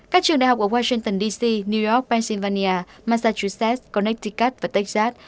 các trường đại học ở washington d c new york pennsylvania massachusetts connecticut và texas